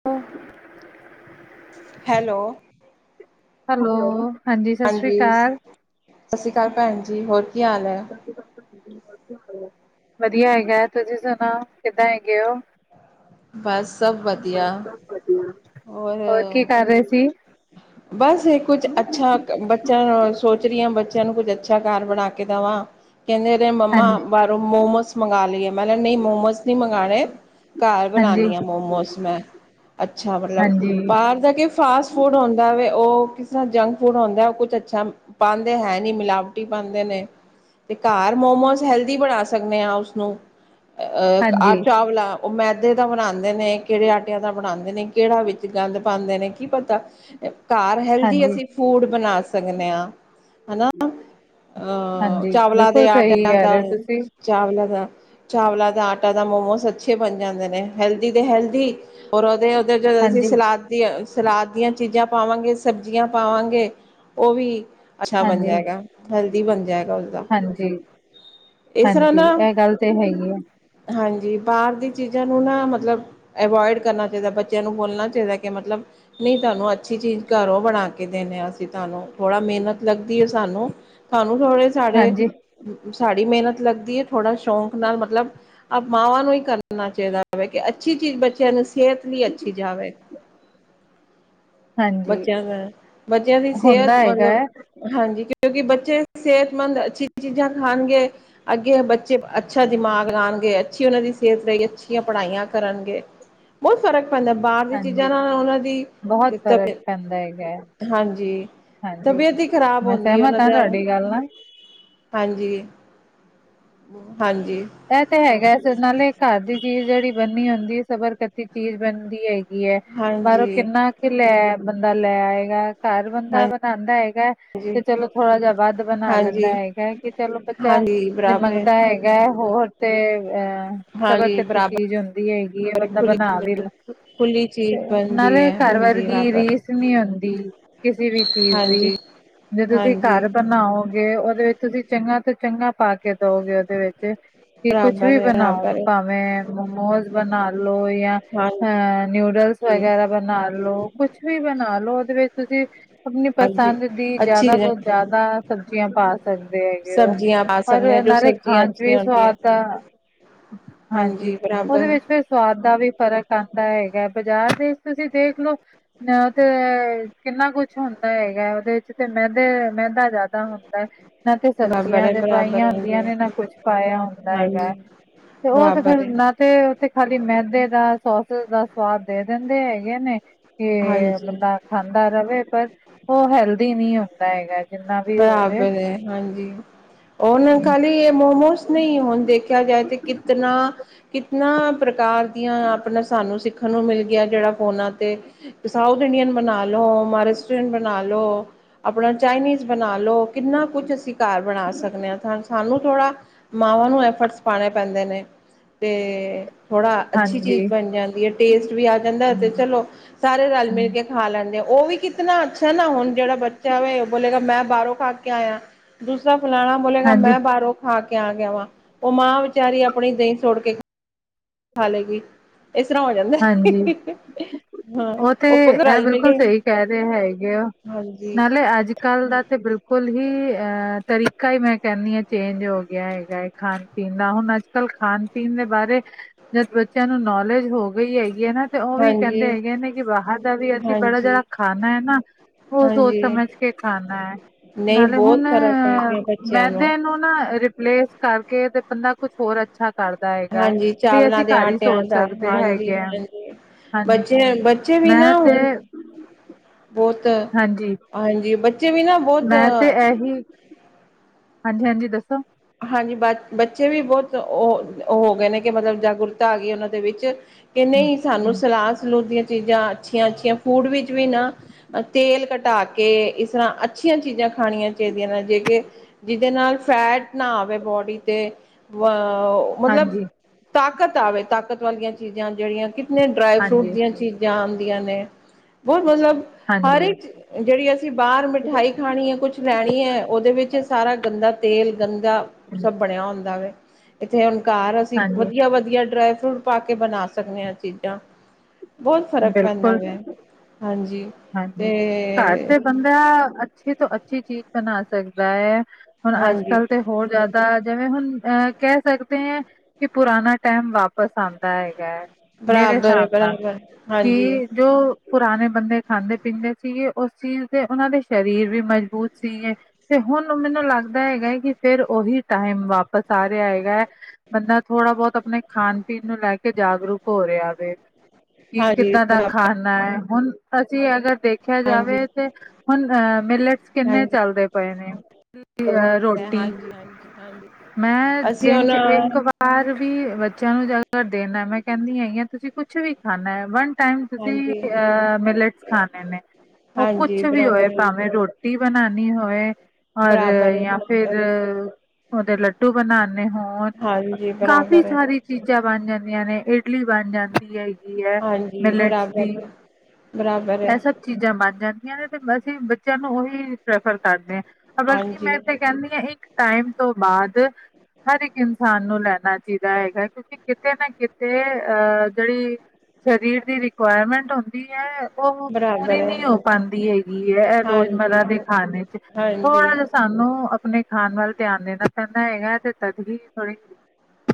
[unintelligible] Hello. Hello. ਸਤਿ ਸ੍ਰੀ ਹਾਂਜੀ ਅਕਾਲ ਸਤਿ ਸ਼੍ਰੀ ਅਕਾਲ ਭੈਣ ਜੀ ਹੋਰ ਕੀ ਹਾਲ ਹੈ। ਵਧੀਆ ਹੈਗਾ ਤੁਸੀਂ ਸੁਣਾਓ ਕਿੱਦਾਂ ਹੈਗੇ ਓ। ਬਸ ਸਭ ਵਧੀਆ। ਵਧੀਆ। [unintelligible] ਔਰ ਬਸ ਇਹ ਕੁਛ ਅੱਛਾ ਬੱਚਿਆਂ ਨੂੰ ਸੋਚ ਰਹੀ ਹਾ ਬੱਚਿਆਂ ਨੂੰ ਕੁੱਝ ਅੱਛਾ ਘਰ ਬਣਾ ਕੇ ਦੇਵਾਂ। ਕਹਿੰਦੇ ਮੰਮਾ ਹਾਂਜੀ ਬਾਹਰੋਂ ਮੋਮੋਸ ਮੰਗਵਾ ਲਈਏ ਮੈਂ ਨਹੀਂ ਮੋਮੋਸ ਨਹੀਂ ਮੰਗਾਂਣੇ। ਘਰ ਹਾਂਜੀ ਬਣਾਣੀ ਹਾਂ ਮੋਮੋਸ ਮੈਂ ਅੱਛਾ ਮਤਲਬ ਹਾਂਜੀ ਬਾਹਰ ਦਾ ਕਿ ਫਾਸਟ ਫੂਡ ਹੁੰਦਾ ਵੇ ਓ ਕਿਸ ਤਰਾ ਜੰਕ ਫੂਡ ਹੁੰਦਾ ਕੁਛ ਅੱਛਾ ਪਾਂਦੇ ਹੈ ਨੀ ਮਿਲਾਵਟੀ ਪਾਂਦੇ ਨੇ। ਤੇ ਘਰ ਮੋਮੋਸ ਹੈਲਦੀ ਬਣਾ ਸਕਦੇ ਹਾਂ ਉਸਨੂੰ। ਅਹ ਆ ਹਾਂਜੀ ਚਾਵਲਾ ਉਹ ਮੈਦੇ ਦਾ ਬਣਾਉਦੇ ਨੇ ਕਿਹੜੇ ਆਟਿਆਂ ਦਾ ਬਣਾਉਦੇ ਨੇ ਕਿਹੜਾ ਵਿੱਚ ਗੰਦ ਪਾਂਦੇ ਨੇ ਕੀ ਪਤਾ ਘਾਰ ਹੈਲਦੀ ਹਾਂਜੀ ਅਸੀ ਫੂਡ ਬਣਾ ਸਕਦੇ ਹਾਂ ਹਨਾ। ਅਹ ਹਾਂਜੀ ਚਾਵਲਾਂ ਦੇ ਬਿਲਕੁਲ ਸਹੀ ਆਟਿਆਂ ਕਹਿ ਰਹੇ ਦਾ ਹੋ ਤੁਸੀਂ ਚਾਵਲਾਂ ਦਾ ਚਾਵਲਾਂ ਦਾ ਆਟਾ ਦਾ ਮੋਮੋਸ ਅੱਛੇ ਬਣ ਜਾਦੇ ਨੇ ਹੈਲਦੀ ਦੇ ਹੈਲਦੀ ਔਰ ਉਹਦੇ ਜਦੋ ਅਸੀ ਹਾਂਜੀ ਸਲਾਦ ਦੀ ਸਲਾਦ ਦੀਆਂ ਚੀਜਾ ਪਾਵਾਂਗੇ ਸਬਜ਼ੀਆਂ ਪਾਵਾਂਗੇ ਉਹ ਵੀ ਅੱਛਾ ਬਣ ਹਾਂਜੀ ਜਾਏਗਾ ਹੈਲਦੀ ਬਣ ਜਾਏਗਾ ਉਸਦਾ। ਹਾਂਜੀ ਇਸ ਤਰ੍ਹਾਂ ਹਾਂਜੀ ਨਾ ਇਹ ਗੱਲ ਤੇ ਹੈ ਹੀ ਹੈ ਹਾਂਜੀ ਬਾਹਰ ਦੀ ਚੀਜ਼ਾਂ ਨੂੰ ਨਾ ਮਤਲਬ ਅਵੋਇਡ ਕਰਨਾ ਚਾਹੀਦਾ ਬ ਬੱਚਿਆਂ ਨੂੰ ਬੋਲਣਾ ਚਾਹੀਦਾ ਕਿ ਮਤਲਬ ਨਹੀ ਤੁਹਾਨੂੰ ਅੱਛੀ ਚੀਜ ਘਰੋ ਬਣਾ ਕੇ ਦੇਣੇ ਹਾਂ ਅਸੀ ਤੁਹਾਨੂੰ ਥੋੜ੍ਹਾ ਮਿਹਨਤ ਲਗਦੀ ਹੈ ਸਾਨੂੰ ਤੁਹਾਨੂੰ ਥੋੜੇ ਸਾਡੇ ਹਾਂਜੀ ਸਾਡੀ ਮਿਹਨਤ ਲੱਗਦੀ ਹੈ ਥੋੜ੍ਹਾ ਸ਼ੋਕ ਨਾਲ ਮਤਲਬ ਮਾਵਾਂ ਨੂੰ ਹੀ ਕਰਨਾ ਚਾਹੀਦਾ ਹੋਵੇ ਕਿ ਅੱਛੀ ਚੀਜ ਬੱਚਿਆਂ ਨੂੰ ਸਿਹਤ ਲਈ ਅੱਛੀ ਜਾਵੇ। ਹਾਂਜੀ ਬੱਚਿਆਂ ਦਾ ਬੱਚਿਆਂ ਦੀ ਸਿਹਤ ਹੁੰਦਾ ਹੈਗਾ ਮਤਲਬ ਹੈ ਹਾਂਜੀ ਕਿਉਕਿ ਬੱਚੇ ਸਿਹਤਮੰਦ ਅੱਛੀ ਚੀਜਾ ਖਾਣਗੇ। ਅੱਗੇ ਬੱਚੇ ਅੱਛਾ ਦਿਮਾਗ ਲਾਉਣਗੇ ਅੱਛੀ ਉਹਨਾ ਦੀ ਸਿਹਤ ਲਈਹੀ ਅੱਛੀਆਂ ਪੜ੍ਹਾਈਆਂ ਕਰਨਗੇ। ਬਹੁਤ ਫਰਕਪੈਂਦਾ ਬਾਹਰ ਦੀਆਂ ਚੀਜਾ ਹਾਂਜੀ ਨਾਲ ਉਹਨਾਂ ਦੀ ਬਹੁਤ ਫ਼ਰਕ ਦਿੱਕਤਏ ਪੈਂਦਾ ਹੈਗਾ ਹੈ [inaudible] ਹਾਂਜੀ ਹਾਂਜੀ ਤਬੀਅਤ ਹੀ ਖਰਾਬ ਮੈਂ ਹੁੰਦੀ ਹੈ ਉਹਨਾ ਸਹਿਮਤ ਹਾਂ ਦਾ ਤੁਹਾਡੀ ਗੱਲ ਨਾਲ ਹਾਂਜੀ ਹਾਂਜੀ ਇਹ ਤੇ ਹੈਗਾ ਇਸ ਨਾਲੇ ਘਰ ਦੀ ਚੀਜ ਜਿਹੜੀ ਬਣਨੀ ਹੁੰਦੀ ਸਬਰਕਤੀ ਚੀਜ ਬਣਦੀ ਹੈ। ਹੈਗੀ ਹੈ ਪਰ ਹਾਂਜੀ ਕਿੰਨਾ ਕਿ ਲੈ ਬੰਦਾ ਲੈ ਆਏਗਾ। ਘਰ ਬੰਦਾ ਬਣਾਉਂਦਾ ਹੈਗਾ। ਤੇ ਹਾਂਜੀ ਚਲੋ ਥੋੜਾ ਜਹਾ ਵੱਧ ਬਣਾ ਲੈਦਾ ਹਾਂਜੀ ਹੈਗਾ ਹੈ ਕਿ ਚਲੋ ਬੱਚਾ ਹਾਂਜੀ ਜੇ ਬਰਾਬਰ ਮੰਗਦਾ ਹੈ। ਹੈਗਾ ਹੋਰ ਤੇ ਅਹ। ਹਾਂਜੀ ਸਬਰਕਤੀ ਬਰਾਬਰ ਚੀਜ ਹੁੰਦੀ ਹੈਗੀ ਆ ਬੰਦਾ ਖੁੱਲੀ ਬਣਾਵੇ। ਖੁੱਲੀ ਚੀਜ਼ ਬਣਦੀ ਨਾਲੇ ਹੈ ਘਰ ਬਣਦੀ ਵਰਗੀ ਬਰਾਬਰ ਰੀਸ ਨੀ ਹੁੰਦੀ ਕਿਸੇ ਵੀ ਚੀਜ ਦੀ। ਹਾਂਜੀ, ਜੇ ਤੁਸੀ ਹਾਂਜੀ ਘਰ ਬਣਾਓਗੇ ਉਹਦੇ ਵਿੱਚ ਤੁਸੀਂ ਚੰਗਾ ਤੋਂ ਚੰਗਾ ਪਾ ਕੇ ਦਓਗੇ ਉਹਦੇ ਵਿੱਚ ਕਿ ਕੁਛ ਬਰਾਬਰ ਵੀ ਹੈ, ਬਣਾਓ ਬਰਾਬਰ ਹੈ ਭਾਵੇ ਮੋਮੋਜ਼ ਬਣਾ ਲ ਲੋ ਯ ਹਾਂਜੀ। ਨਿਊਡਲਸ ਵਗੈਰਾ ਬਣਾ ਲੋ ਕੁਛ ਵੀ ਬਣਾ ਲੋ ਉਹਦੇ ਵਿੱਚ ਤੁਸੀ ਆਪਣੀ ਹਾਂਜੀ, ਪਸੰਦ ਦੀ ਅੱਛੀ ਜ਼ਿਆਦਾ ਤੋਂ ਜ਼ਿਆਦਾ ਸਬਜ਼ੀਆਂ ਪਾ ਸਕਦੇ ਹੇਗੇ ਓ। ਸਬਜ਼ੀਆਂ ਪਾ ਸਕਦੇ ਹਾਂ ਹਰ ਜੋ ਨਾਲੇ ਸਬਜ਼ੀਆਂ ਖਾਣ 'ਚ ਅੱਛੀਆਂ ਵੀ ਹੁੰਦੀਆਂ। ਸਵਾਦ ਆ ਹਾਂਜੀ ਉਹਦੇ ਵਿੱਚ ਫਿਰ ਸਵਾਦ ਦਾ ਵੀ ਫ਼ਰਕ ਆਂਦਾ ਹੈਗਾ ਬਾਜ਼ਾਰ ਵਿੱਚ ਤੁਸੀ ਦੇਖ ਲਓ। ਨਾ ਉਹ ਤੇ ਕਿੰਨਾ ਕੁਛ ਹੁੰਦਾ ਹੈਗਾ ਉਹਦੇ ਵਿੱਚ ਤੇ ਮੈਦੇ ਮੈਦਾ ਜ਼ਿਆਦਾ ਹੁੰਦਾ ਹੈ। ਨਾ ਤੇ ਬਰਾਬਰ ਹੈ, ਸਬਜ਼ੀਆਂਜੇ ਬਰਾਬਰ ਪਾਈਆਂ ਹੈ। ਹਾਂਜੀ, ਹੁੰਦੀਆਂ ਨੇ ਨਾ ਕੁਛ ਪਾਇਆ ਹੁੰਦਾ ਹੈਗਾ ਹਾਂਜੀ। ਤੇ ਉਹ ਤੇ ਬਰਾਬਰ ਹੈ, ਫੇਰ ਤੇ ਉਥੇ ਖਾਲੀ ਮੈਦੇ ਦਾ ਸੋਸੇਸ ਦਾ ਸਵਾਦ ਦੇ ਦਿੰਦੇ ਹੈਗੇ ਨੇ। ਕਿ ਹਾਂਜੀ। ਬੰਦਾ ਖਾਂਦਾ ਰਹੇ ਪਰ ਉਹ ਹੈਲਦੀ ਨਹੀ ਹੁੰਦਾ ਹੈਗਾ। ਜਿੰਨਾ ਵੀ ਹੋ ਜੇ ਬਰਾਬਰ ਹੈ ਹਾਂਜੀ ਉਹਨ ਖਾਲੀ ਇਹ ਮੋਮੋਸ ਨਹੀ ਹੁਣ ਦੇਖਿਆ ਜਾਏ ਤੇ ਕਿਤਨਾ ਕਿਤਨਾ ਪ੍ਰਕਾਰ ਦੀਆਂ ਆਪਣਾ ਸਾਨੂੰ ਸਿੱਖ ਥੁਹਾਨੂੰ ਮਿਲ ਗਿਆ ਜਿਹੜਾ ਫੋਨਾਂ 'ਤੇ। ਸਾਊਥ ਇੰਡੀਅਨ ਬਣਾ ਲੋ ਮਹਾਰਾਸ਼ਟਰੀਅਨ ਬਣਾ ਲ ਲੋ। ਆਪਣਾ ਚਾਈਨੀਜ਼ ਬਣਾ ਲਉ ਕਿੰਨਾ ਕੁਛ ਅਸੀ ਘਰ ਬਣਾ ਸਕਦੇ ਹਾਂ ਸਾਨੂੰ ਥੋੜ੍ਹਾ ਮਾਵਾਂ ਨੂੰ ਐਫਰਟਸ ਪਾਣੇ ਪੈਂਦੇ ਨੇ ਤੇ ਥੋੜਾ ਅੱਛੀ ਚੀਜ਼ ਹਾਂਜੀ, ਬਣ ਜਾਂਦੀ ਹੈ ਟੇਸਟ ਵੀ ਆ ਜਾਂਦਾ ਤੇ ਚਲੋ। ਸਾਰੇ ਰਲ ਮਿਲ ਕੇ ਖਾ ਲੈਂਦੇ ਆ ਉਹ ਵੀ ਕਿਤਨਾ ਅੱਛਾ ਨਾ ਹੁਣ ਜਿਹੜਾ ਬੱਚਾ ਹੋਵੇ ਉਹ ਬੋਲੇਗਾ ਮੈਂ ਬਾਹਰੋਂ ਖਾ ਯਾਂ ਦੂਸਰਾ ਫੁਲਾਨਾ ਬੋਲੇਗਾ ਹਾਂਜੀ, ਮੈਂ ਬਾਹਰੋਂ ਖਾ ਕੇ ਆ ਗਿਆ ਵਾਂ ਉਹ ਮਾਂ ਵਿਚਾਰੀ ਆਪਣੀ ਦਹੀਂ ਛੋੜ ਕੇ ਹਾਲੇ ਕੀ ਇਸ ਤਰ੍ਹਾਂ ਹੋ ਜਾਂਦਾ ਹੈ ਹੀ ਹਾਂਜੀ। [inaudible] ਹੀ ਹਾਂ ਉਹ ਤੇ ਉਪਰ ਤਾਂ ਇਹ ਰਲ ਮਿਲ ਬਿਲਕੁਲ ਕੇ ਸਹੀ ਕਹਿ ਰਹੇ ਹੈਗੇ ਹੋ। ਹਾਂਜੀ ਨਾਲੇ ਅੱਜ ਕੱਲ ਦਾ ਤੇ ਬਿਲਕੁਲ ਬਿਲਕੁਲ ਹੀ ਅਹ ਤਰੀਕਾ ਹੀ ਮੈਂ ਕਹਿਨੀ ਹਾਂ ਚੇਂਜ ਹੋ ਗਿਆ ਹੈਗਾ ਹੈਏ ਖਾਣ ਪੀਣ ਦਾ ਹੁਣ ਅੱਜ ਕੱਲ੍ਹ ਖਾਣ ਪੀਣ ਦੇ ਬਾਰੇ ਜਦ ਬੱਚਿਆਂ ਨੂੰ ਨੌਲੇਜ ਹੋ ਗਈ ਹੈ। ਹੈਗੇ ਨਾ ਤੇ ਉਹ ਵੀ ਕਹਿੰਦੇ ਹਾਂਜੀ ਹੈਗੇ ਨੇ ਕਿ ਬਾਹਰ ਦਾ ਵੀ ਅਸੀਂ ਬੜਾ ਹਾਂਜੀ ਜਿਹੜਾ ਖਾਣਾ ਹੈ ਨਾ। ਉਹ ਸੋਚ ਹਾਂਜੀ ਸਮਝ ਕੇ ਖਾਣਾ ਹੈ। ਨਹੀਂ ਨਾਲੇ ਬਹੁਤ ਹੁਣ ਫਰਕ ਪੈ ਗਿਆ ਬੱਚਿਆਂ ਮੈਦੇ ਨੂੰ ਨਾ ਰਿਪਲੇਸ ਕਰਕੇ ਤੇ ਬੰਦਾ ਕੁਛ ਹੋਰ ਅੱਛਾ ਕਰਦਾ ਹੈਗਾ ਹਾਂਜੀ ਵੀ ਚਾਵਲਾਂ ਅਸੀ ਦੇ ਘਰ ਹੀ ਆਟਿਆਂ ਸੋਚ ਦਾ ਸਕਦੇ ਹੈਗੇ। ਹਾਂਜੀ ਆ ਹਾਂਜੀ ਹਾਂਜੀ ਬੱਚੇ-ਬੱਚੇ ਵੀ ਮੈਂ ਨਾ ਤੇ ਹੁਣ ਬਹੁਤ ਹਾਂਜੀ ਹਾਂਜੀ ਬੱਚੇ ਵੀ ਨਾ ਮੈਂ ਤੇ ਬਹੁਤ ਏਹੀ ਹਾਂਜੀ-ਹਾਂਜੀ ਦੱਸੋ। ਹਾਂਜੀ ਬ ਬੱਚੇ ਵੀ ਬਹੁਤ ਉ ਉਹ ਹੋ ਗਏ ਨੇ। ਕਿ ਮਤਲਬ ਜਾਗਰੂਕਤਾ ਆ ਗਈ ਉਹਨਾਂ ਦੇ ਵਿੱਚ ਕਿ ਹੂੰ, ਨਹੀਂ ਸਾਨੂੰ ਹੂੰ, ਸਲਾਦ ਸਲੂਦ ਦੀਆਂ ਚੀਜ਼ਾਂ ਅੱਛੀਆਂ-ਅੱਛੀਆਂ ਫੂਡ ਵਿੱਚ ਵੀ ਨਾ ਅ ਤੇਲ ਘਟਾ ਕੇ ਇਸ ਤਰ੍ਹਾਂ ਅੱਛੀਆਂ ਚੀਜ਼ਾਂ ਖਾਣੀਆਂ ਚਾਹੀਦੀਆਂ ਨੇ ਜੇ ਕੇ ਜਿਹਦੇ ਨਾਲ ਫੈਟ ਨਾ ਆਵੇ ਬੋਡੀ ਤੇ ਵ ਮਤਲਬ ਹਾਂਜੀ, ਤਾਕਤ ਆਵੇ ਤਾਕਤ ਵਾਲੀਆਂ ਚੀਜ਼ਾਂ ਜਿਹੜੀਆਂ ਕਿਤਨ ਡਰਾਈ ਫਰੂਟ ਹਾਂਜੀ, ਦੀਆਂ ਚੀਜ਼ਾਂ ਜਾਣਦੀਆਂ ਨੇ ਬਹੁਤ ਮਤਲਬ ਹਰ ਹਾਂਜੀ, ਇੱਕ ਜਿਹੜੀ ਅਸੀ ਬਾਹਰ ਮਿਠਾਈ ਖਾਣੀ ਹੈ ਕੁਛ ਲੈਣੀ ਐ। ਉਹਦੇ ਵਿੱਚ ਸਾਰਾ ਗੰਦਾ ਤੇਲ ਗੰਦਾ ਸਭ ਬਣਿਆ ਹੁੰਦਾ ਵੇ। ਇਥੇ ਹੰਕਾਰ ਅਸੀਂ ਹਾਂਜੀ ਵਧੀਆ-ਵਧੀਆ ਡਰਾਈ ਫਰੂਟ ਪਾ ਕੇ ਬਣਾ ਸਕਦੇ ਹਾਂ ਚੀਜ਼ਾਂ ਬਹੁਤ ਫ਼ਰਕ ਪੈਂਦਾ ਬਿਲਕੁਲ ਹੈ ਹਾਂਜੀ। ਹਾਂਜੀ ਤੇ ਘਰ ਤੇ ਬੰਦਾ ਅੱਛੀ ਤੋਂ ਅੱਛੀ ਚੀਜ਼ ਬਣਾ ਸਕਦਾ ਹੈ। ਹੁਣ ਅੱਜ ਹਾਂਜੀ ਕੱਲ੍ਹ ਤੇ ਹੋਰ ਜ਼ਿਆਦਾ ਦਾ ਜਿਵੇਂ ਹੁਣ ਅਹ ਕਹਿ ਸਕਦੇ ਹ ਕਿ ਪੁਰਾਣਾ ਟੈਮ ਵਾਪਿਸ ਆਉਂਦਾ ਹੈਗਾ ਹੈ। ਮੇਰੇ ਬਰਾਬਰ ਹੈ ਹਿਸਾਬ ਨਾਲ ਬਰਾਬਰ ਹਾਂਜੀ ਕਿ ਜੋ ਪੁਰਾਣੇ ਬੰਦੇ ਖਾਂਦੇ ਪੀਂਦੇ ਸੀਗੇ ਉਸ ਚੀਜ਼ ਦੇ ਉਹਨਾਂ ਦੇ ਸਰੀਰ ਵੀ ਮਜ਼ਬੂਤ ਸੀਗੇ। ਤੇ ਹੁਣ ਮੈਨੂੰ ਲੱਗਦਾ ਹੈਗਾ ਹੈ ਕਿ ਫਿਰ ਉਹੀ ਟਾਈਮ ਵਾਪਸ ਆ ਰਿਹਾ ਹੈਗਾ ਹੈ। ਬੰਦਾ ਥੋੜ੍ਹਾ ਬਹੁਤ ਆਪਣੇ ਖਾਣ ਪੀਣ ਨੂੰ ਲੈ ਕੇ ਜਾਗਰੂਕ ਹੋ ਰਿਹਾ ਵੇ। ਕਿ ਹਾਂਜੀ ਕਿੱਦਾਂ ਦਾ ਬਰਾਬਰ ਖਾਨਾ ਹੈ ਹੁਣ ਅਸੀ ਅਗਰ ਦੇਖਿਆ ਹਾਂਜੀ ਜਾਵੇ ਤੇ [inaudible] ਹੁਨ, ਮੇਲੇ ਚ ਕਿੰਨੇ ਹਾਂਜੀ ਚਲਦੇ ਪਏ ਨੇ ਰੋਟੀ [unintelligible] ਮੈਂ ਅ ਅਸੀਂ ਦਿਨ ਹੁਣ ਚ ਇੱਕ ਵਾਰ। ਘਰ ਵੀ ਬੱਚਿਆਂ ਨੂੰ ਜਦ ਦੇਣਾ, ਮੈਂ ਕਹਿਣੀ ਹੈਗੀ ਆ ਤੁਸੀਂ ਕੁਛ ਵੀ ਖਾਣਾ ਹੈ ਵਨ। ਟੈਮ ਤੁਸੀਂ ਹਾਂਜੀ ਮਿਲਟਸ ਖਾਣੇ ਨੇ। ਉਹ ਕੁਛ ਹਾਂਜੀ ਵੀ ਹੋਏ, ਬਰਾਬਰ ਹੈ ਭਾਵੇਂ ਰੋਟੀ ਬਨਾਣੀ ਹੋਵੇ। ਔਰ ਬਰਾਬਰ ਹੈ ਜਾਂ ਬਰਾਬਰ ਫਿਰ, ਹੈ ਉਹਦੇ ਲੱਡੂ ਬਣਾਉਨੇ ਹੋਣ। ਜੀ, ਬਰਾਬਰ ਕਾਫੀ ਏ। ਸਾਰੀ ਚੀਜ਼ਾਂ ਬਣ ਜਾਂਦੀਆਂ ਨੇ, ਇਡਲੀ ਬਣ ਜਾਂਦੀ ਹੈਗੀ ਐ ਹਾਂਜੀ ਮਿਲਟਸ ਬਰਾਬਰ ਦੀ। ਹੈ ਬਰਾਬਰ ਹੈ ਇਹ ਸਭ ਚੀਜ਼ਾਂ ਬਣ ਜਾਂਦੀਆਂ ਨੇ ਤੇ ਅਸੀਂ ਬੱਚਿਆਂ ਨੂੰ ਉਹੀ ਪ੍ਰੈਫਰ ਕਰਦੇ ਆ। ਬਲਕਿ ਮੈਂ ਹਾਂਜੀ ਤਾਂ ਕਹਿਣੀ ਆ, ਇੱਕ ਟਾਈਮ ਤੋਂ ਬਾਅਦ। ਹਰ ਇੱਕ ਇਨਸਾਨ ਨੂੰ ਲੈਣਾ ਚਾਹੀਦਾ ਹੈਗਾ ਕਿ। ਕਿਤੇ ਨਾ ਕਿਤੇ, ਅ, ਜਿਹੜੀ ਸਰੀਰ ਦੀ ਰਿਕੁਆਇਰਮੈਂਟ ਹੁੰਦੀ। ਇਹ ਉਹ ਬਰਾਬਰ ਪੂਰੀ ਹੈ ਨਹੀਂ ਹੋ ਪਾਂਦੀ ਹੈਗੀ ਏ ਇਹ ਹਾਂਜੀ ਰੋਜ਼ਮਰਾ ਦੇ ਖਾਣੇ ਚ ਥੋੜ੍ਹਾ ਜਿਹਾ [unintelligible] ਸਾਨੂੰ ਆਪਣੇ ਖਾਣ ਵੱਲ ਧਿਆਨ ਦੇਣਾ ਪੈਂਦਾ ਹੈਗਾ ਐ, ਤੇ ਤਦ ਵੀ ਥੋੜ੍ਹੀ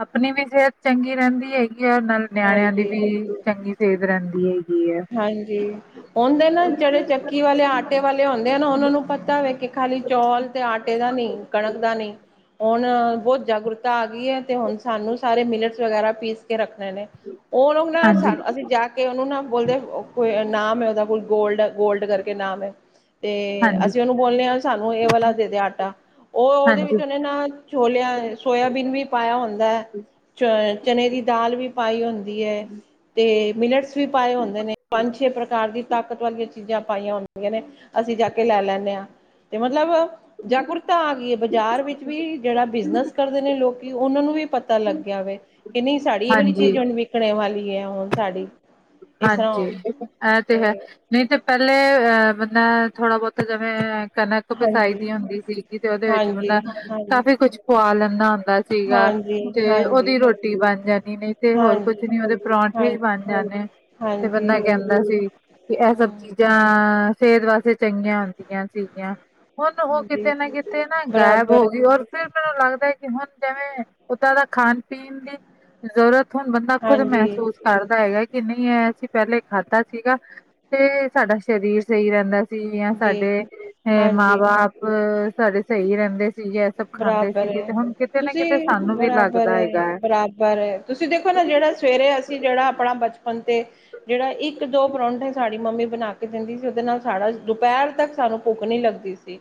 ਆਪਣੀ ਵੀ ਸਿਹਤ ਚੰਗੀ ਰਹਿੰਦੀ ਏ। ਚੀਜਾਂ ਨਾਲ ਨਿਆਣਿਆਂ ਦੀ ਹਾਂਜੀ ਵੀ ਚੰਗੀ ਸਿਹਤ ਰਹਿੰਦੀ ਹੈਗੀ ਐ ਉਂਦੇ ਨਾ ਜਿਹੜੇ ਚੱਕੀ ਵਾਲੇ ਆਟੇ ਵਾਲੇ ਹੁੰਦੇ ਨੇ ਨਾ ਉਹਨਾਂ ਨੂੰ ਪਤਾ ਵੇ। ਖਾਲੀ ਚੌਲ ਤੇ ਆਟੇ ਦਾ ਨਹੀਂ, ਕਣਕ ਦਾ ਨਹੀਂ। ਹੁਣ ਬਹੁਤ ਜਾਗਰੂਕਤਾ ਆ ਗਈ ਏ ਤੇ ਹੁਣ ਸਾਨੂੰ ਸਾਰੇ ਮਿਲਟਸ ਵਗੈਰਾ ਪੀਸ ਕੇ ਰੱਖ। [unintelligible] ਉਹਨੂੰ ਨਾ ਸਾ ਹਾਂਜੀ, ਅਸੀਂ ਜਾ। ਕੇ ਉਹਨੂੰ ਨਾ ਬੋਲਦੇ, ਕੋਈ ਨਾਮ ਹੈਗਾ, ਕੋਈ ਗੋਲਡ, ਗੋਲਡ ਕਰਕੇ ਨਾਮ ਏ। ਤੇ, ਹਾਂਜੀ, ਅਸੀਂ ਉਹਨੂੰ ਬੋਲਨੇ ਹਾਂ ਸਾਨੂੰ ਇਹ ਵਾਲਾ ਦੇ ਦੇ ਆਟਾ, ਉਹ ਉਹਦੇ ਹਾਂਜੀ, ਵਿੱਚ ਉਹਨੇ ਨਾ। ਛੋਲਿਆਂ, ਸੋਇਆਬੀਨ ਵੀ ਪਾਇਆ ਹੁੰਦਾ ਹੈ, ਚ ਚਨੇ ਦੀ ਦਾਲ ਵੀ। ਪਾਈ ਹੁੰਦੀ ਹੈ। ਅਤੇ ਮਿਲਟਸ ਵੀ ਪਾਏ ਹੁੰਦੇ ਨੇ, ਪੰਜ ਛੇ ਪ੍ਰਕਾਰ ਦੀਆਂ ਤਾਕਤ ਵਾਲੀਆਂ ਚੀਜ਼ਾਂ ਪਾਈਆਂ ਹੁੰਦੀਆਂ ਨੇ। ਅਸੀਂ ਜਾ ਕੇ ਲੈ ਲੈਣੇ ਆ, ਤੇ ਮਤਲਬ ਜਾਗਰੂਕਤਾ ਆ ਗਈ ਏ ਬਾਜ਼ਾਰ ਵਿੱਚ। ਵੀ ਜਿਹੜਾ ਬਿਜਨਸ ਕਰਦੇ ਨੇ ਲੋਕੀ, ਉਹਨਾਂ ਨੂੰ ਵੀ ਪਤਾ ਲੱਗ ਗਿਆ ਵੇ, ਏਹ ਨਹੀਂ ਸਾਡੀ ਇਹ ਵਾਲੀ। ਹਾਂਜੀ। ਚੀਜ਼ ਹੁਣ ਵਿਕਣੇ ਵਾਲੀ ਏ, ਹੁਣ ਸਾਡੀ ਇਸ ਹਾਂਜੀ, ਤਰ੍ਹਾਂ ਐ ਤੇ ਹੈ। ਨਹੀਂ ਤੇ ਪਹਿਲੇ, ਅ, ਬੰਦਾ ਥੋੜਾ ਬਹੁਤਾ ਜਿਵੇਂ ਕਣਕ ਪਿਸਾਈ ਹਾਂਜੀ ਦੀ ਹੁੰਦੀ ਸੀ, ਜਿਦੇ ਉਹਦੇ ਵਿੱਚ ਹਾਂਜੀ ਬੰਦਾ, ਹਾਂਜੀ ਕਾਫ਼ੀ ਕੁਛ ਪੁਆ ਲੈਂਦਾ ਹੁੰਦਾ। ਸੀਗਾ ਹਾਂਜੀ ਤੇ ਹਾਂਜੀ ਉਹਦੀ ਰੋਟੀ ਬਣ ਜਾਂਦੀ ਨਹੀਂ ਤੇ ਹੋਰ ਹਾਂਜੀ ਕੁਛ ਨੀ ਉਹਦੇ ਪਰੌਂਠੇ ਹੀ ਹਾਂਜੀ ਬਣ ਜਾਂਣੇ। ਤੇ ਹਾਂਜੀ ਬੰਦਾ ਕਹਿੰਦਾ ਸੀ, ਕਿ ਇਹ ਹਮ ਸਬਜ਼ੀ ਜਾਂ ਸਿਹਤ ਵਾਸਤੇ। ਟੰਗੀਆਂ ਹੁੰਦੀਆਂ ਸੀ ਗੀਆਂ, ਹੁਣ ਉਹ ਹਾਂਜੀ ਕਿਤੇ ਨਾ ਕਿਤੇ ਨਾ ਗਾਇਬ ਬਰਾਬਰ ਹੋ ਹੈ ਗਈ ਔਰ। ਫਿਰ ਪਤਾ ਲੱਗਦਾ ਕਿ ਹੁਣ ਜੈਵੇਂ ਉੱਦਾਂ ਦਾ ਖਾਣ ਪੀਣ ਦੀ ਜ਼ਰੂਰਤ। ਹੁਣ ਬੰਦਾ ਖੁਦ ਹਾਂਜੀ ਮਹਿਸੂਸ ਕਰਦਾ ਹੈਗਾ ਕਿ ਨਹੀਂ। ਕਿ ਅਸੀਂ ਪਹਿਲੇ ਖਾਧਾ ਸੀਗਾ ਤੇ ਸਾਡਾ ਸਰੀਰ ਸਹੀ ਰਹਿੰਦਾ। ਸੀ ਜਾਂ ਜੀ ਸਾਡੇ, ਅ ਮਾਂ ਹਾਂਜੀ ਬਾਪ ਸਾਡੇ ਸਹੀ ਰਹਿੰਦੇ। ਸੀਗੇ ਇਹ ਸਭ ਖਾਂਦੇ ਬਰਾਬਰ ਸੀਗੇ ਏ, ਤੇ ਹੁਣ ਕਿਤੇ ਨਾ ਤੁਸੀਂ ਕਿਤੇ ਸਾਨੂੰ ਵੀ ਬਰਾਬਰ ਲੱਗਦਾ ਹੈਗਾ ਏ, ਹੈ ਬਰਾਬਰ ਏ, ਤੁਸੀਂ ਦੇਖੋ ਨਾ ਜਿਹੜਾ। ਸਵੇਰੇ ਅਸੀਂ ਜਿਹੜਾ ਆਪਣਾ ਬਚਪਨ ਤੇ। ਜਿਹੜਾ ਇੱਕ-ਦੋ ਪਰੌਂਠੇ ਸਾਡੀ ਮੰਮੀ ਬਣਾ ਕੇ ਦਿੰਦੀ ਸੀ, ਉਹਦੇ ਨਾਲ ਸਾਡਾ ਦੁਪਹਿਰ ਤੱਕ ਸਾਨੂੰ। ਭੁੱਖ ਨਹੀਂ ਲੱਗਦੀ ਸੀ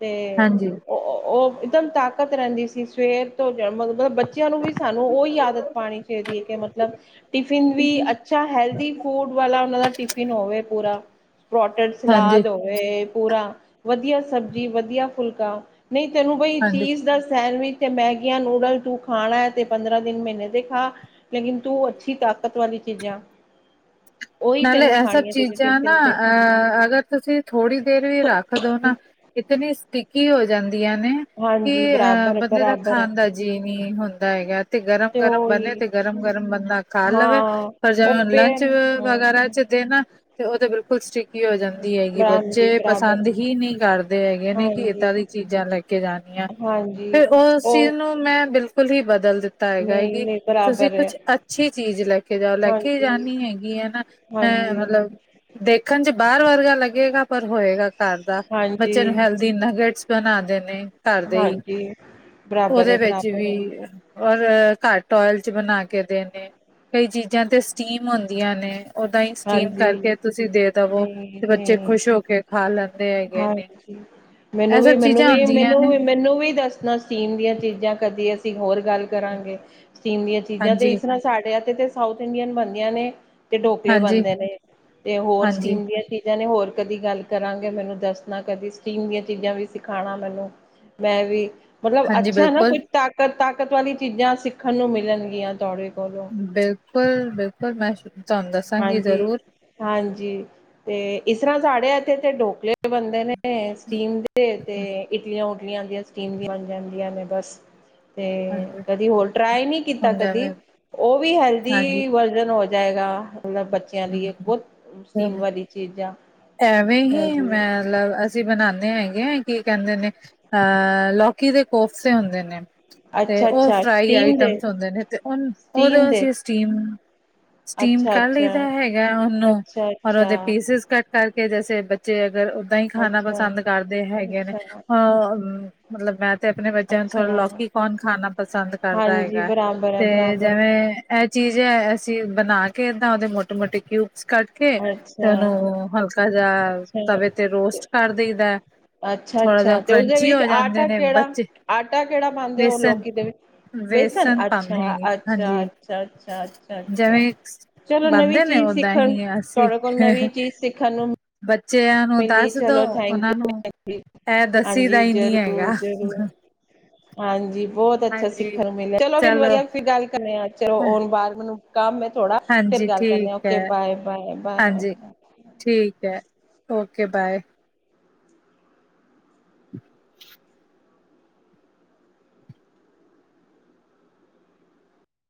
ਤੇ ਹਾਂਜੀ ਅਉ ਔ ਉਹ। ਇੱਕਦਮ ਤਾਕਤ ਰਹਿੰਦੀ ਸੀ ਸਵੇਰ ਤੋਂ ਜਾ ਮਤਲਬ, ਬੱਚਿਆਂ ਨੂੰ ਵੀ ਸਾਨੂੰ ਉਹੀ ਆਦਤ ਪਾਨੀ ਚਾਹਿਦੀ ਏ ਕਿ ਮਤਲਬ। ਟਿਫਿਨ ਵੀ ਅੱਛਾ ਹੈਲਦੀ ਫੂਡ ਵਾਲਾ ਉਹਨਾਂ ਦਾ ਟਿਫਿਨ ਹੋਵੇ ਪੂਰਾ। ਪਰੋਟਡ ਹਾਂਜੀ ਸਲਾਦ ਹੋਵੇ ਪੂਰਾ ਵਧੀਆ ਸਬਜ਼ੀ ਵਧੀਆ ਫੁਲਕਾ। ਨਹੀਂ ਤੈਨੂੰ ਬਈ ਹਾਂਜੀ ਚੀਜ਼ ਦਾ ਸੈਂਡਵਿੱਚ ਤੇ ਮੈਗੀਆਂ, ਨੂਡਲ ਤੂੰ ਖਾਣਾ ਏ ਤੇ ਪੰਦਰਾਂ ਦਿਨ ਮਹੀਨੇ ਦੇ ਖਾ। ਲੇਕਿਨ ਤੂੰ ਅੱਛੀ ਤਾਕਤ ਵਾਲੀ ਚੀਜ਼ਾਂ। ਉਹੀ ਨਾਲੇ ਤੈਨੂੰ ਇਹ ਸਭ ਖਾਣੀਆਂ ਜਿਵੇਂ ਚੀਜ਼ਾਂ ਨਾ ਟਿਫਿਨ ਤੇ ਅ ਅਗਰ। ਤੁਸੀਂ ਥੋੜ੍ਹੀ ਦੇਰ ਵੀ ਰੱਖਦੋ ਨਾ ਇਤਨੀ ਸਟਕੀ ਹੋ ਜਾਂਦੀਆਂ ਨੇ। ਕਿ ਹਾਂਜੀ ਅਹ ਬਰਾਬਰ ਬੰਦੇ ਦਾ ਬਰਾਬਰ ਹੈ ਖਾਣ ਦਾ ਜੀਅ ਨਹੀਂ ਹੁੰਦਾ ਹੈਗਾ ਤੇ ਗਰਮ ਗਰਮ ਬੰਨੇ ਤੇ ਗਰਮ-ਗਰਮ ਬੰਦਾ ਖਾ ਲਵੇ ਹਾਂ ਪਰ ਉਹ ਜਵੇਂ ਲੰਚ ਪੇਨ ਵਗੈਰਾ ਹਮ ਚ ਜੇ ਨਾ ਤੇ ਉਹ ਤਾਂ ਬਿਲਕੁਲ ਸੀਟੀਕ ਹੋ ਜਾਂਦੀ ਹੈਗੀ ਹਾਂਜੀ ਬੱਚੇ ਬਰਾਬਰ ਪਸੰਦ ਹੀ ਨਹੀਂ ਕਰਦੇ ਹੈਗੇ ਨੇ ਕਿ ਹਾਂਜੀ ਇੱਦਾਂ ਦੀ ਚੀਜ਼ਾ ਲੈ ਕੇ ਜਾਣੀਆ ਹਾਂਜੀ ਫਿਰ ਉਸ ਚੀਜ਼ ਉਹ ਨੂੰ ਮੈਂ ਬਿਲਕੁਲ ਹੀ ਬਦਲ ਦਿੱਤਾ ਹੈਗਾ ਨਹੀਂ ਕਿ ਨਹੀਂ ਤੁਸੀਂ ਬਰਾਬਰ ਹੈ ਕੁਛ ਅੱਛੀ ਚੀਜ਼ ਲੈ ਕੇ ਜਾਓ ਲੈ ਕੇ ਹਾਂਜੀ ਜਾਣੀ ਹੈਗੀ ਹੈ ਨਾ ਮੈਂ ਹਾਂਜੀ ਮਤਲਬ ਦੇਖਣ ਚ ਬਾਰ ਵਰਗਾ ਲੱਗੇਗਾ ਪਰ ਹੋਏਗਾ ਘਰ ਦਾ ਬੱਚੇ ਨੂੰ ਹਾਂਜੀ ਹੈਲਦੀ ਨਗਟਸ ਬਣਾ ਦੇਨੇ। ਕਰਦੇ ਹੀ ਹਾਂਜੀ, ਬਰਾਬਰ ਏ ਉਹਦੇ ਵਿੱਚ ਬਰਾਬਰ ਏ, ਵੀ ਔਰ ਘੱਟ ਓਇਲ ਚ ਬਣਾ ਕੇ ਦੇਣੇ ਕਈ ਚੀਜ਼ਾਂ ਤੇ ਸਟੀਮ ਹੁੰਦੀਆ ਨੇ। ਓਦਾਂ ਹੀ ਸਟੀਮ ਹਾਂਜੀ। ਕਰਕੇ ਤੁਸੀਂ ਦੇ ਦੇਵੋ ਨਹੀਂ ਤੇ ਬੱਚੇ ਨਹੀਂ, ਖੁਸ਼ ਹੋ ਕੇ ਖਾ ਲੈਂਦੇ ਹੈਗੇ ਨੇ। ਹਾਂਜੀ। ਮੈਨੂੰ ਇਹ ਵੀ ਸਭ ਮੈਨੂੰ ਚੀਜ਼ਾਂ ਵੀ ਆਦੀਆਂ ਮੈਨੂੰ ਨੇ। ਵੀ ਮੈਨੂੰ ਵੀ ਦੱਸਨਾ ਸਟੀਮ ਦੀਆ ਚੀਜ਼ਾ ਕਦੇ ਅਸੀਂ ਹੋਰ ਗੱਲ ਕਰਾਂਗੇ ਸਟੀਮ ਦੀਆ ਚੀਜ਼ਾਂ ਤੇ ਹਾਂਜੀ ਇਸਰ੍ਹਾਂ ਸਾਡੇ ਤੇ ਸਾਊਥ ਇੰਡੀਅਨ ਬਣਦੀਆਂ ਨੇ ਤੇ ਢੋ ਕਲੇ ਹਾਂਜੀ ਬਣਦੇ ਨੇ ਤੇ ਹੋਰ ਹਾਂਜੀ ਸਟੀਮ ਦੀਆ ਚੀਜ਼ਾਂ ਨੇ ਹੋਰ ਕਦੀ ਗੱਲ ਕਰਾਂਗੇ ਮੈਨੂੰ ਦੱਸਣਾ ਕਦੀ ਸਟੀਮ ਦੀਆਂ ਚੀਜ਼ਾਂ ਵੀ ਸਿਖਾਉਣਾ ਮੈਨੂੰ। ਮੈਂ ਵੀ ਮਤਲਬ ਹਾਂਜੀ ਅੱਛਾ ਨਾ ਬਿਲਕੁਲ, ਕੁੱਝ ਤਾਕਤ-ਤਾਕਤ ਵਾਲੀ ਚੀਜ਼ਾਂ ਸਿੱਖਣ ਨੂੰ ਮਿਲਣਗੀਆਂ ਤੁਹਾਡੇ ਕੋਲੋਂ। ਬਿਲਕੁਲ ਬਿਲਕੁਲ ਮੈਂ ਤੁਹਾਨੂੰ ਦੱਸਾਂਗੀ ਹਾਂਜੀ ਜ਼ਰੂਰ ਹਾਂਜੀ ਤੇ ਇਸਰਾ ਸਾਡੇ ਇੱਥੇ ਤੇ ਢੋਕਲੇ ਬਣਦੇ ਨੇ ਸਟੀਮ ਦੇ ਤੇ ਇਡਲੀਆ-ਉਡਲੀਆ ਹੁੰਦੀਆ ਸਟੀਮ ਦੀ ਆ ਜਾਂਦੀਆ ਨੇ ਬਸ। ਤੇ ਹਾਂਜੀ ਕਦੀ ਹੋਰ ਟਰਾਈ ਨਹੀਂ ਕੀਤਾ ਹੁਣ ਜਿਵੇਂ ਕਦੀ ਉਹ ਵੀ ਹੈਲਦੀ ਹਾਂਜੀ ਵਰਜ਼ਨ ਹੋ ਜਾਏਗਾ ਮਤਲਬ ਬੱਚਿਆਂ ਲਈ ਬਹੁਤ ਸਟੀਮ ਵਾਲੀ ਚੀਜਾ। ਐਵੇਂ ਹੀ ਮੈਂ ਲਬ ਅਸ ਅਸੀਂ ਬਣਾਦੇ ਹੈਗੇ ਆ ਕੀ ਕਹਿੰਦੇ ਨੇ ਅਹ ਲੌਕੀ ਦੇ ਕੋਫਤੇ ਹੁੰਦੇ ਨੇ। ਤੇ ਅੱਛਾ ਉਹ ਅੱਛਾ ਫਰਾਈ ਸਟੀਮ ਦੇ ਆਈਟਮਸ ਹੁੰਦੇ ਨੇ ਤੇ ਉਨ ਉਦੇ ਸਟੀਮ ਦੇ ਅਸੀ ਸਟੀਮ ਸਟੀਮ ਅੱਛਾ ਕਰ ਅੱਛਾ ਲਈਦਾ ਹੈਗਾ ਉਹਨੂੰ ਅੱਛਾ ਔਰ ਉਹਦੇ ਅੱਛਾ ਪੀਸਿਸ ਕੱਟ ਕਰਕੇ ਜੈਸੇ ਬੱਚੇ ਅਗਰ ਓਦਾ ਹੀ ਖਾਣਾ ਅੱਛਾ ਪਸੰਦ ਕਰਦੇ ਹੈਗੇ ਨੇ ਅੱਛਾ ਹ ਮਤਲਬ ਮੈਂ ਤੇ ਆਪਣੇ ਬੱਚਿਆਂ ਨੂੰ ਥੋੜ੍ਹਾ ਅੱਛਾ ਲੌਕੀ ਕੌਣ ਖਾਣਾ ਪਸੰਦ ਕਰਦਾ ਹਾਂਜੀ ਹੈਗਾ ਬਰਾਬਰ ਹੈ ਤੇ ਬਰਾਬਰ ਜਿਵੇ ਇਹ ਚੀਜ਼ ਹੈ ਅਸੀਂ ਬਣਾ ਕੇ ਏਦਾਂ ਉਹਦੇ ਮੋਟੇ ਮੋਟੇ ਕਿਊਬਸ ਕੱਟ ਕੇ ਤੇ ਅੱਛਾ, ਉਹਨੂੰ ਹਲਕਾ ਜਾ ਤਵੇ ਤੇ ਰੋਸਟ ਕਰ ਦਈਦਾ। ਥੋੜਾ ਜਿਹਾ ਅੱਛਾ-ਅੱਛਾ ਤੇ ਉਸਦੇ ਕਰੰਚੀ ਵਿੱਚ ਹੋ ਜਾਂਦੇ ਆਟਾ ਨੇ ਕਿਹੜਾ, ਬੱਚੇ ਆਟਾ ਕਿਹੜਾ ਪਾਉਂਦੇ ਹੋ ਵੇਸਨ ਲੋਕੀ ਦੇ ਵਿ ਬੇਸਨ ਵੇਸਨ ਪਾਉਂਦੇ ਹੈਗੇ ਅੱਛਾ-ਅੱਛਾ, ਹਾਂਜੀ ਅੱਛਾ-ਅੱਛਾ, ਅੱਛਾ-ਅੱਛਾ। ਜਿਵੇਂ ਚਲੋ ਨਵੀਂ ਬਣਦੇ ਨੇ ਚੀਜ਼ ਓਦਾਂ ਸਿੱਖਣ ਹੀ ਤੁਹਾਡੇ ਕੋਲ ਅਸੀਂ ਨਵੀਂ ਚੀਜ਼ ਸਿੱਖਣ ਨੂੰ ਬੱਚਿਆਂ ਨੂੰ ਮਿਲੀ ਦੱਸਦੋ ਚਲੋ ਥੈਂਕ ਉਹਨਾਂ ਯੂ ਨੂੰ ਭੈਣ ਜੀ। ਇਹ ਦੱਸੀ ਦਾ ਹਾਂਜੀ ਹੀ ਨੀ ਜ਼ਰੂਰ, ਹੈਗਾ। ਜ਼ਰੂਰ। ਹਾਂਜੀ ਬਹੁਤ ਅੱਛਾ ਹਾਂਜੀ ਸਿੱਖਣ ਨੂੰ ਮਿਲਿਆ ਚਲੋ ਫਿਰ ਵਧੀਆ ਗੱਲ ਕਰੇ ਆ ਚਲੋ ਆਉਣ ਬਾਰ ਮੈਨੂੰ ਕੰਮ ਥੋੜਾ ਫਿਰ ਹਾਂਜੀ ਗੱਲ ਕਰਨੇ ਠੀਕ ਆ ਹੈ ਓਕੇ ਬਾਏ-ਬਾਏ, ਹਾਂਜੀ ਬਾਏ। ਠੀਕ ਹੈ ਓਕੇ ਬਾਏ।